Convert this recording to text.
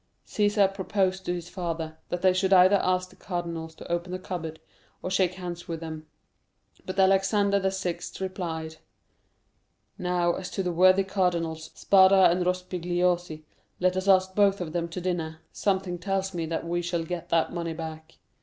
"Cæsar proposed to his father, that they should either ask the cardinals to open the cupboard, or shake hands with them; but Alexander VI. replied: 'Now as to the worthy cardinals, Spada and Rospigliosi, let us ask both of them to dinner, something tells me that we shall get that money back.